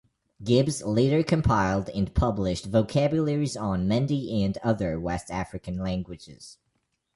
Gibbs later compiled and published vocabularies on Mende and other West African languages.